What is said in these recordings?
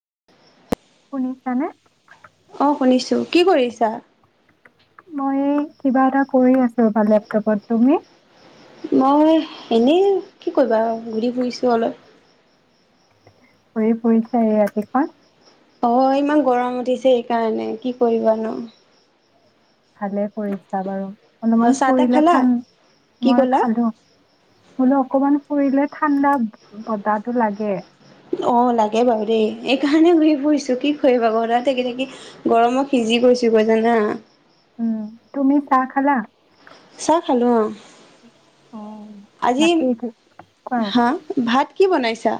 [inaudible] শুনিছানে? অ, শুনিছো। কি কৰিছা? মই কিবা এটা কৰি আছো বা লেপটপত। তুমি? মই এনেই। কি কৰিবা আও, ঘূৰি ফুৰিছো অলপ। ঘূৰি ফূৰিছা এই ৰাতিখন? অ, ইমান গৰম উঠিছে সেইকাৰণে, কি কৰিবা নো। ভালে কৰিছা বাৰু। অ অলপমান চাহ তাহ ফুৰিলে খালা ভাল, কি মই ক'লা খালো। বোলো অকমান- ফুৰিলে ঠাণ্ডা বতাহটো লাগে। অ, লাগে বাৰু দেই। এইকাৰণে ঘূৰি ফুৰিছো, কি কৰিবা ঘৰত থাকি, থাকি, গৰমত সিজি গৈছো গৈ জানা। উম, তুমি চাহ খালা? চাহ খালোঁ, অহ। অঁ তাকেই। কোৱা? হা ভাত কি বনাইছা?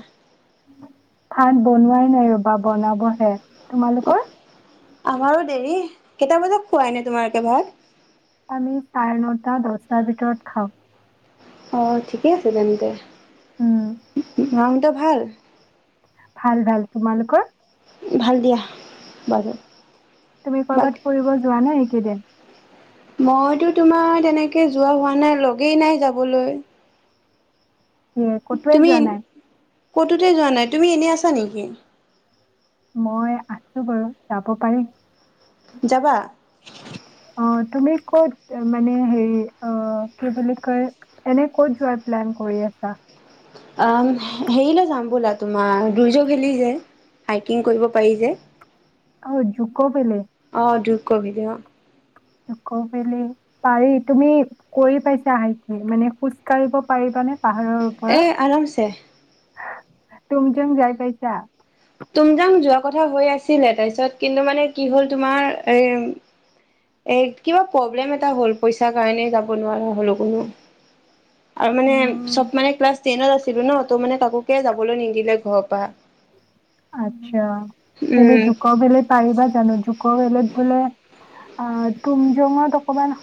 ভাত বনোৱাই- নাই ৰ'বা বনাব হে। অ তোমালোকৰ? আমাৰো দেৰি। কেইটা বজাত খোৱা এনেই তোমালোকে ভাত? আমি চাৰে নটা, দছটাৰ ভিতৰত খাওঁ। অঁ ঠিকে আছে, তেন্তে। উম, [unintelligible] ঘৰত ভাল? ভাল, ভাল। তোমালোকৰ? ভাল দিয়া বাৰু। তুমি কৰবাত বাকী ফুৰিব যোৱা নাই? [unintelligible] মই'তো তোমাৰ তেনেকে যোৱা হোৱা নাই, লগেই নাই যাবলৈ। এ ক'তোৱে তুমি যোৱা নাই? ক'তোতে যোৱা নাই, তুমি এনেই আছা নেকি? মই আছো বাৰু যাব পাৰিম। যাবা? অঁ তুমি ক'ত মানে, হেৰি কি বুলি কয়, এনেই ক'ত যোৱাৰ প্লেন কৰি আছা? আ হেৰিলৈ যাম বলা। তোমাৰ দুইৰ্য খেলি যে হাইকিং কৰিব পাৰি যে। অঁ যুক পেলে। অ যুকোৱেলি অ। যুকোৱেলী পাৰি তুমি কৰি পাইছা হাই কি মানে খোজ কঢ়িব পাৰিবানে? এই আৰামছে তুম জং যাই পাইছা? তুম জাং যোৱা কথা হৈ আছিলে তাৰপিছত কিন্তু মানে কি হল তোমাৰ এ এ কিবা প্ৰব্লেম এটা হল পইচাৰ কাৰণে যাব নোৱাৰা হলো কোনো আৰু মানে উম, চব মানে ক্লাছ টেনত আছিলো ন ত মানে কাকে যাবলৈ নিদিলে ঘৰৰ পৰা। আচ্ছা। কিন্তু উম যোকোভেলি পাৰবা জানো? কৌ বেলেত বোলে অ তুম জাং অকমান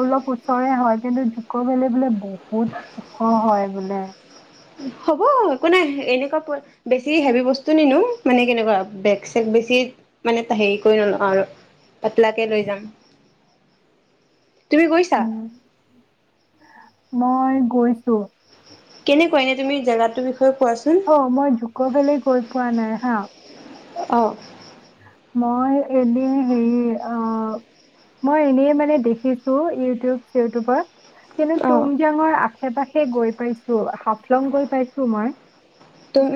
অলপ ওচৰে হয় কিন্তু জুক বলে বোলে বহুত বহুত ওখ হয় বোলে। হ'ব একো নাই এনেকুৱা বেছি হেভি বস্তু নিনো মানে কেনেকুৱা বেগ চেগ বেছি মানে হেৰি কৰি নলওঁ আৰু পাতলাকে লৈ যাম। তুমি গৈছা? উম। মই গৈছো। কেনেকুৱা এনে তুমি জেগাতটো বিষ অ মই জুক ভলিত গৈ পোৱা নাই হা। অ। মই এনেই হেৰি অ মই এনেই মানে দেখিছো ইউটিউব চি। কিন্তু অ তুম জাঙৰ আশা আশে পাশে গৈ পাইছো। লং গৈ পাইছো মই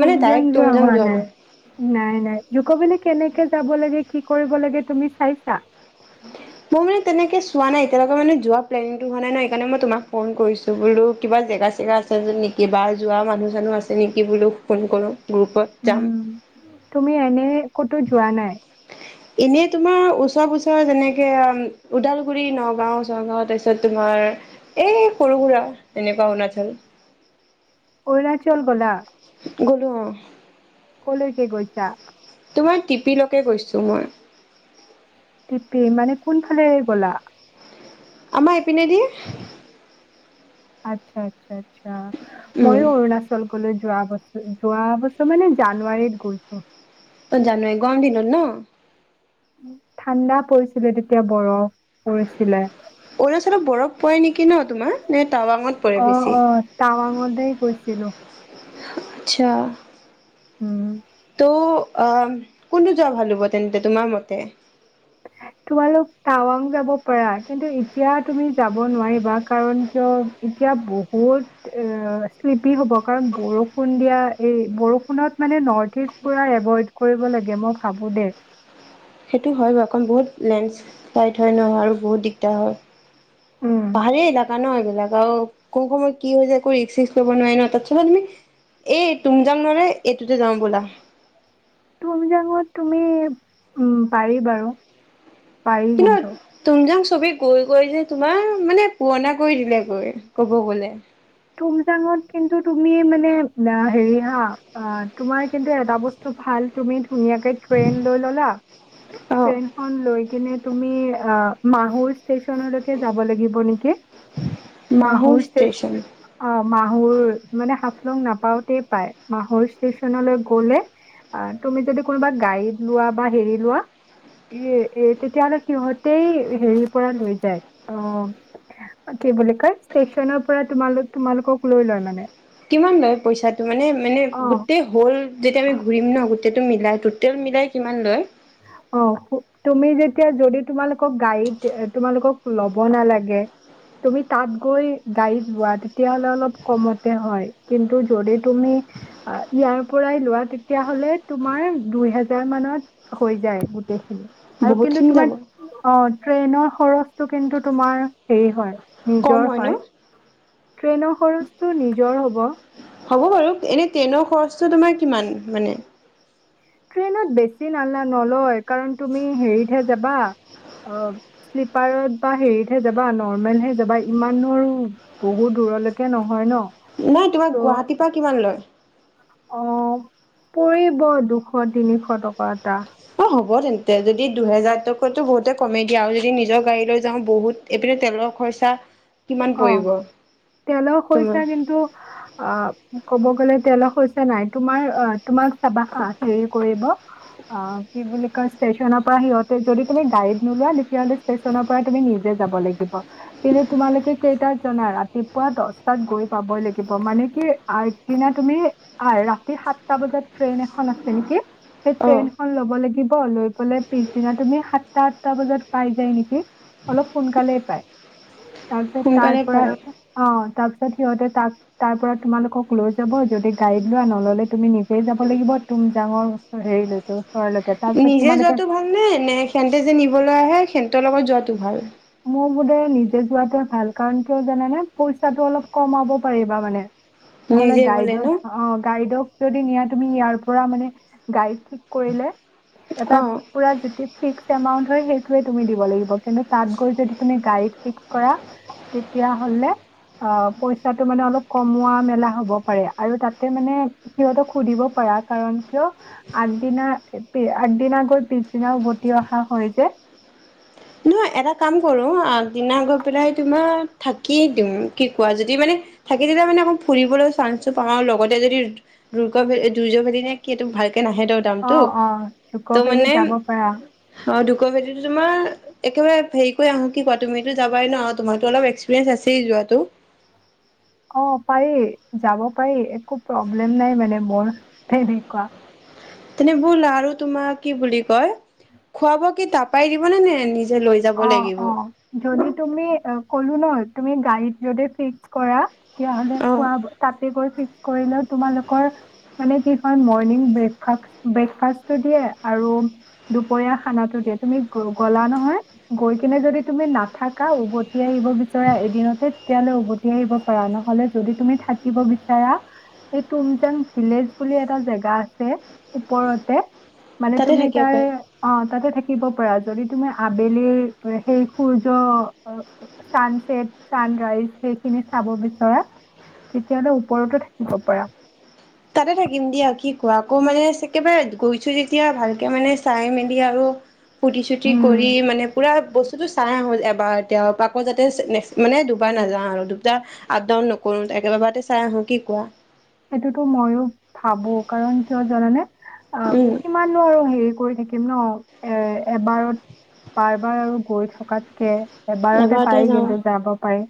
তুম যাগ যোৱা হোৱা নাই নাই আই ইউক'বিলিক কেনেকে যাব লাগে, কি কৰিব লাগে, তুমি চাইছা? মই মানে তেনেকে চোৱা নাই এতিয়ালৈকে মানে যোৱা প্লেনটো হোৱা নাই ন' সেকাৰণে মই তোমাক ফোন কৰিছোঁ বোলো কিবা জেগা চেগা আছে নেকি যোৱা মানুহ চানুহ আছে নেকি বোলো ফোন কৰোঁ। গ্ৰুপত যাম। উম। তুমি এনে ক'তো যোৱা নাই। এনে তোমাৰ ওচৰ পুছৰৰ যেনেকে ওদালগুৰি, নগাঁও, চগাঁও তাৰপিছত তোমাৰ এই সৰু-সুৰা এনেকুৱা অৰুণাচল। অৰুণাচল গ'লা? গ'লোঁ। কলৈকে গৈছা? তোমাৰ টিপিলৈকে গৈছোঁ মই। টিপি মানে কোনফালে গ'লা? আমাৰ এপিনে দি। আচ্ছা, আচ্ছা, আচ্ছা। অ', উম ময়ো অৰুণাচল কলৈ যোৱা বছৰ, যোৱা বছৰ মানে জানুৱাৰীত গৈছোঁ। অ', জানুৱাৰীত গৰম দিনত ন'। ঠাণ্ডা পৰিছিলে তেতিয়া বৰফ। পৰিছিলে। অৰুণাচলত বৰফ পৰে নেক কি নো তোমাৰ নেট? অ', অ', টাৱাঙলৈ গৈছিলোঁ। আচ্ছা উম। কোনটোত যোৱা ভাল হ'ব তেন্তে তোমাৰ মতে? তোমালোক টাৱাং যাব পাৰা। কিন্তু এতিয়া তুমি যাব নোৱাৰিবা, কাৰণ কিয়? এতিয়া বহুত, আ, শ্লিপি হ'ব কাৰণ বৰষুণ দিয়া, এই বৰষুণত মানে নৰ্থ-ইষ্ট পুৰা এভইড কৰিব লাগে, মই ভাবোঁ দে সেইটো হয় বাৰু, কাৰণ বহুত লেণ্ডস্লাইড হয় ন আৰু বহুত দিগদাৰ হয়। উম, পাহাৰীয়া এলেকা ন, এইবোৰ? নেযাওঁ, কোন সময়ত কি হৈ যায়, একো ৰিস্ক-চিস্ক ল'ব নোৱাৰি ন। তাতচে ভাল, তুমি এই, টুমযাঙ মানে, এইটোতে যাওঁ বলা। টুমযাঙত তুমি উম, পাৰি বাৰু। পাৰি কিন্তু তুমজাং চবেই গৈ গৈ যে তোমাৰ, মানে পুৰণা কৰি দিলে গৈ, ক'ব গ'লে টুমযাঙত কিন্তু তুমি, মানে আ, হেৰি হা, আ, তোমাৰ কিন্তু এটা বস্তু ভাল, তুমি ধুনীয়াকে ট্ৰেইন লৈ ল'লা, অ ট্ৰেইনখন লৈ কিনে তুমি আ, মাহৌৰ ষ্টেচনলৈকে যাব লাগিব নেকি, মাহৌৰ ষ্টেচন অ', মাহৌৰ মানে হাফলং নাপাওঁতেই পাই। মাহৌৰ ষ্টেচনলৈ গ'লে, তুমি যদি কোনোবা গাইড লোৱা বা হেৰি লোৱা, এই, তেতিয়াহ'লে সিহঁতেই হেৰি পৰা লৈ যায়। অ', কি বুলি কয় ষ্টেচনৰ পৰা তোমালোক তোমালোকক লৈ লয় মানে কিমান লয় পইচাটো? মানে, মানে অ গোটেই হওঁল যেতিয়া আমি ঘূৰিম ন' সেইটো মিলাই, টোটেল মিলাই কিমান লয়? অ, তুমি যেতিয়া যদি তোমালোক কক গাইড তোমালোকক লব নালাগে, তুমি তাত গৈ গাড়ীত লোৱা তেতিয়াহলে অলপ কমতে হয়। কিন্তু যদি তুমি ইয়াৰ পৰাই লোৱা তেতিয়াাহলে তোমাৰ দুই হেজাৰ মানত হৈ যায় গোটেই। আৰু কিন্তু বহুতখিনি যাব তোমাৰ অ' ট্ৰেইনৰ খৰচটো কিন্তু তোমাৰ হেৰি হয়। কম নিজৰ ন হয়। ট্ৰেইনৰ খৰচটো নিজৰ হব। হ'ব বাৰু এনে ট্ৰেইনৰ খৰচটো তোমাৰ কিমান মানে? ট্ৰেইনত বেছি মানে নলয়, কাৰণ তুমি হেৰিতহে যাবা অ শ্লিপাৰত বা হেৰিতহে যাবা নৰ্মেলহে যাবা ইমান আৰু বহুত দূৰলৈকে নহয় ন। নাই তোমাক ত' গুৱাহাটীৰ পৰা কিমান লয়? অ', পৰিব দুশ তিনিশ টকা এটা। অ', হ'ব তেন্তে যদি দুহেজাৰ টকো বহুতে কমে দিয়া আৰু যদি নিজৰ গাড়ী লৈ যাওঁ বহুত এইপিনে তেলৰ খৰচা কিমান অ', পৰিব তেলৰ তোমাৰ খৰচা কিন্তু আহ ক'ব গলে তেলৰ খৰচা নাই, তোমাৰ তোমাক চাবা হাঁ হেৰি কৰিব অ কি বুলি কই ষ্টেচনৰ পৰা সিহতে যদি তুমি গাইড নোলোৱা তেতিয়ালে ষ্টেচনৰ পৰা তুমি নিজে যাব লাগিব। কিন্তু তোমালোকে কেইটাত জনা ৰাতিপুৱা দহটাত গৈ পাবই লাগিব। মানে আগদিনা তুমি আহ ৰাতি সাতটা বজাত ট্ৰেইন এখন আছে নেকি, সেই অ ট্ৰেইন খন লব লাগিব, লৈ পেলাই পিছদিনা তুমি সাতটা আঠটা বজাত পাই যায় নেকি, অলপ সোনকালে পাই। তাৰপিছত তাৰ সোনকালে পৰা পায় অ' তাৰপিছত, ছত সিহঁতে তাক তাৰ পৰা তোমালোকক লৈ যাব। যদি গাইড লোৱা নহলে তুমি নিজেই যাব লাগিব তুম জাঙৰ ওচৰ হেৰিলৈকে ওচৰলৈকে। তাৰপিছত নিজে তোমালোকে যোৱাটো ভাল নে, নে সেহঁতে যে নিবলৈ আহে সেহ তেওঁৰ লগত যোৱাটো ভাল? মোৰ বোধে নিজে যোৱাতোৱে ভাল, কাৰণ কিয় জানে পইচাটো অলপ কমাব পাৰিবা মানে। নহ'লে নিজে গলে ন গাইদক অ' গাইদক য নিয়া তুমি ইয়াৰ পৰা মানে গাড়ী থিক কৰিলে এটা অ পুৰা যিটো ফিক্স এমাউন্ত হয় সেইটোয়ে তুমি দিব লাগিব কিন্তু। তাত গৈ যদি তুমি গাড়ীত ফিক্স কৰা, তেতিয়া হলে অঁ পইছাটো মানে অলপ লোৱা নোলোৱা হব পাৰে, সেইটো মানে শুধিব পাৰা কাৰণ কিয়? আগ দিনা গৈ পিছ দিনা উভটি অহা হয় যে। নহয় এটা কাম কৰো আগদিনা গৈ পেলাই তোমাৰ থাকি দিম কি কোৱা যদি মানে থাকি দিলে মানে অকৌ ফুৰিবলৈ চান্সো পাওঁ আৰু লগতে যদি দুূৰ্গ ভ দুৰ্য ভেলী নে কি এইটো ভাল ত নাহে তো অ দামটো অ জুক তো ভেলি মানে যাব পাৰা অ', দুক ভেলিটো তোমাৰ একেবাৰে হেৰি কৰি আহোঁ কি কোৱা তুমিতো যাবাই ন তোমাৰতো অলপ এক্সপিৰিয়েন্ঞ্চ আছেই যোৱাটো। অ' পাৰি যাব পাৰি একো প্ৰব্লেম নাই মানে মোৰ তেনেকুৱা। তেনে বলা আৰু তোমাক কি বুলি কয় খুৱাব কি তাপাই দিব নে নে নিজ অ' অ' যদি। তুমি কলো ন তুমি গাইড যদি ফিক্স কৰা। তেতিয়াহ'লে অ খোৱা তাতে গৈ কৰি লোৱা তোমাৰলোকৰ মানে কি কয়, মৰ্নিং ব্ৰেক ফাৰ্ষ্টটো দিয়ে আৰু দূপৰীয়া খানা টো দিয়ে। তুমি গলা নহয়। গৈ কিনে যদি তুমি নাথাকা উভতি আহিব বিচাৰ এদিনতে তেতিয়ালে উভতি আহিব পাৰা নহলে যদি তুমি থাকিব বিচাৰা এই তুমজাং ভিলেজ বুলি এটা জেগা আছে ওপৰতে। মানে তাতে তুমি থাকিব তাৰ পাই অ তাতে থাকিব। যদি তুমি আবেলিৰ। সেই সূৰ্য চানচেট চানৰাইজ সেইখিনি চাব বিচৰা তেতিয়াহলে ওপৰতো থাকিব পাৰা। তাতে থাকিম দিয়া কি কোৱা আকৌ মানে একেবাৰে গৈছো যেতিয়া ভালকে মানে চাই মেলি আৰু। ফু্তি চুতি উম কৰি মানে পুৰা বস্তুটো চাই আহো এবাৰতে আও, আকৌ যাতে নেক্সট মানে দুবাৰ নাযাওঁ আৰু, দুবাৰ আপ ডাউন নকৰো, একেববাৰেতে চাই আহো কি কোৱা? সেইটোতো ময়ো ভাবো, কাৰণ কিয় জানানে? অ, উম কিমাননো আৰু হেৰি কৰি থাকি কিম ন? এ এবাৰত বাৰ বাৰ আৰু গৈ থকাতকে এবাৰতে পাৰি কিন্তু যাব পাৰি।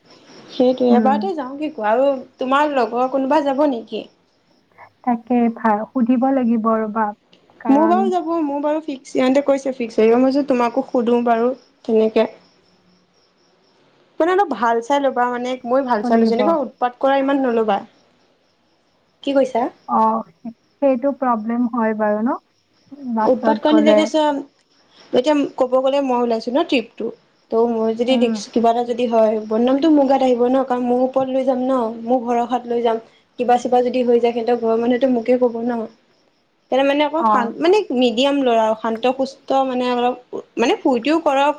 সেইটোৱে উম। এবাৰতে যাওঁ কি কোৱা, আৰু তোমাৰ লগৰ কোনোবা যাব নেকি? তাকে, ভাল, সুধিব লাগিব ৰ'বা। মোৰ কাৰণ বাৰু যাবই, মোৰ বাৰু থিক [unintelligible] কৈছে ফিক্স হব মই ভাইছো তোমাকো সুধো বাৰু তেনেকে, মানে অলপ ভাল চাই ল'বা মানে মইও ভাল ক'ব চাই লৈছো, লাগিব এনেকুৱা অ উৎপাত কৰা ইমান নলবা। কি কৈছা? অ, সেইটো প্ৰব্লেম হয় বাৰু ন? বাছত উৎপাত কৰা [unintelligible] গ'লে এতিয়া ক'ব গ'লে মই ওলাইছো ন ট্ৰিপটোত ত' মই যদি উম। ৰিক্স, কিবা এটা যদি হয়, বদনামটো মোৰ গাত আহিব ন, কাৰণ মোৰ ওপৰত লৈ যাম ন, মোৰ ভৰসাত লৈ যাম, কিবা চিবা যদি হৈ যায় সিহঁতৰ ঘৰৰ মানুহেতো মোকে কব ন। ত মানে আকৌ অঁ, খান মানে মেডিয়াম ল'ৰা আৰু শান্ত সুস্থ মানে অলপ মানে ফূৰ্তিও কৰে আও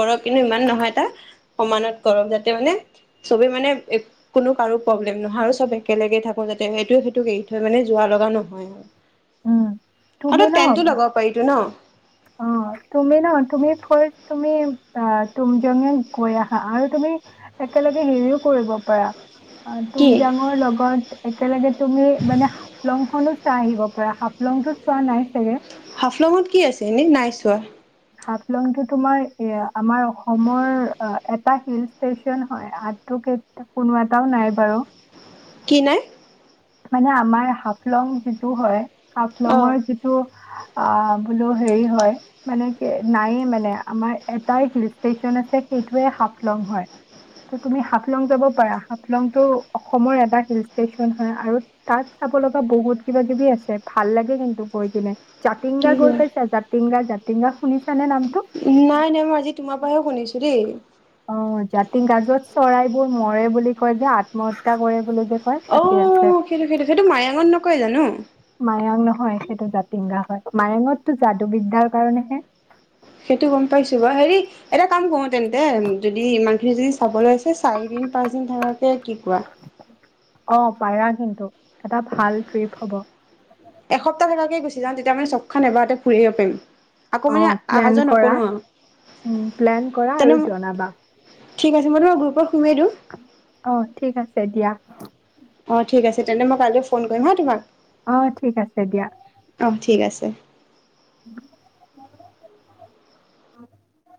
কৰক, কিন্তু ইমান নহয় এটা সমানত কৰক, যাতে মানে চবে মানে কোনো কাৰো প্ৰব্লেম নহয়, আৰু চব একেলগে থাকো যাতে এইটোয়ে সেইটোক এৰি থৈ মানে যোৰা লগা নহয় আৰু। উম, তুমি টেনটো লগাব পাৰি‌ তো ন? অ', তুমি ন, তুমি থৈ তুমি অ, তুমজেঙত গৈ আহা আৰু তুমি একেলগে হেৰিও কৰিব পাৰা। অ, কি তুমজাঙৰ লগত একেলগে তুমি মানে হাফলং খনো চাই আহিব পাৰা, হাফলংতো চোৱা নাই চাগে! হাফলংত কি আছে? এনেই নাই চোৱা। হাফলং টো তোমাৰ এ আমাৰ অসমৰ এটা হিল ষ্টেচন হয়, [unintelligible] কোনো এটাও নাহে বাৰু। কি নাই? মানে আমাৰ হাফলং যিটো হয় অ হাফলং ৰ যিটো অ', বোলো হেৰি হয় মানে নাই এ মানে, আমাৰ এটাই হিল ষ্টেচন আছে সেইটোয়ে হাফলং হয়। ত তুমি হাফলং যাব পাৰা হাফলংটো অসমৰ এটা হিল ষ্টেচন হয়, আৰু তাত চাব লগা বহুত কিবা কিবি আছে। ভাল লাগে কিন্তু গৈ কিনে। কি জাতিংগা গৈ কোৱা পাইছা, জাতিংগা জা [unintelligible] শুনিছা নে নামটো? নাই নাই মই আজি তোমাৰ পৰাহে শুনিছো দেই অ', জাতিংগা য'ত চৰাই বোৰ মৰে বুলি কয় যে আত্মহত্যা কৰে বুলি যে কয় অ তাতে আছে সেইটো সেইটো সেইটো মায়ঙত নকয় জানো? মায়ং নহয় সেইটো জাতিংগা হয় মায়ঙতটো যাদু বিদ্যাৰ কাৰণেহে। সেইটো গম পাইছো বাৰু হেৰি এটা কাম কৰো তেন্তে যদি ইমানখিনি যদি চাবলৈ আছে চাৰিদিন পাঁচদিন থাকাকে কি কোৱা? অ পাৰা কিন্তু এটা ভাল ট্ৰিপ হ'ব। এসপ্তাহ থকাকে গুচি যাওঁ তেতিয়া মানে চবখন এবাৰতে ফুৰি আহিব পাৰিম। আকৌ অ মানে অহা প্লেন যোৱা কৰা নকৰো আৰু উ প্লেন কৰা তেনে আৰু জনাবা, ঠিক আছে মই তোমাক গ্ৰুপত সোমিয়াই দিওঁ অ ঠিক আছে দিয়া। অ ঠিক আছে তেন্তে মই কাইলৈ ফোন কৰিম হা তোমাক? অ ঠিক আছে দিয়া অ ঠিক আছে। [unintelligible] [unintelligible]